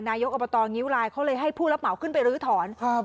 นายกอบตงิ้วลายเขาเลยให้ผู้รับเหมาขึ้นไปรื้อถอนครับ